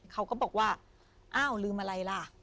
เขาก็บอกว่าอ้าวลืมอะไรล่ะ